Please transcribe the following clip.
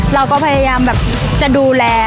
เราก็พยายามแบบจะดูแล